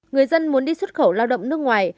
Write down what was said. người dân muốn đi xuất khẩu lao động nước ngoài